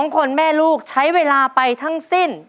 ๒คนแม่ลูกใช้เวลาไปทั้งสิ้น